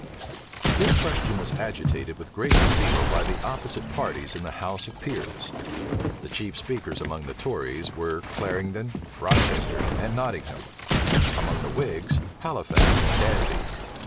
This question was agitated with great zeal by the opposite parties in the house of peers. The chief speakers among the tories were Clarendon, Rochester, and Nottingham; among the whigs, Halifax and Danby.